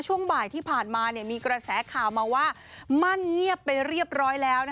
ช่วงบ่ายที่ผ่านมามีกระแสข่าวมาว่ามั่นเงียบไปเรียบร้อยแล้ว